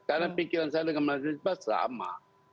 karena pikiran saya dengan mas bisbah sama